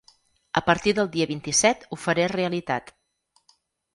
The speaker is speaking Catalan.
A partir del dia vint-i-set ho faré realitat.